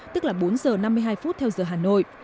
tức là bốn giờ năm mươi hai phút theo giờ hà nội